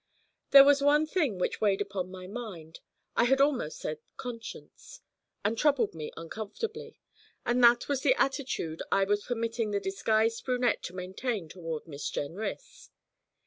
There was one thing which weighed upon my mind I had almost said conscience and troubled me uncomfortably, and that was the attitude I was permitting the disguised brunette to maintain toward Miss Jenrys.